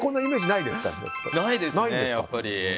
ないですね、やっぱり。